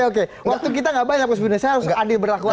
oke oke waktu kita gak banyak mas budiman saya harus adil berlakuan